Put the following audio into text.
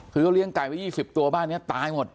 คือเขาเลี้ยงไก่ไว้๒๐ตัวบ้านนี้ตายหมด